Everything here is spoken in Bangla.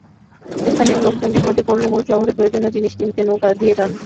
স্থানীয় লোকজন বিপদে পড়লে মূল শহরে প্রয়োজনীয় জিনিস কিনতে নৌকা দিয়ে যান।